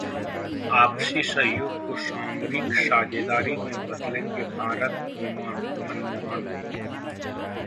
आपसी सहयोग को सामरिक साझेदारी में बदलेंगे भारत-ओमान: मनमोहन